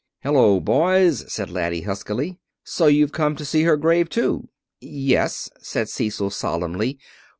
"Hello, boys," said Laddie huskily. "So you've come to see her grave too?" "Yes," said Cecil solemnly.